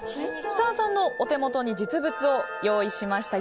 設楽さんのお手元に実物を用意しました。